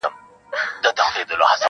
• شرنګ د ربابونو له مغان سره به څه کوو -